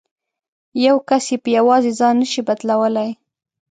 یو کس یې په یوازې ځان نه شي بدلولای.